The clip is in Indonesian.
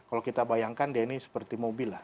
kalau kita bayangkan dia ini seperti mobil lah